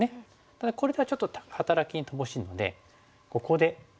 ただこれではちょっと働きに乏しいのでここでこちらにトブ手。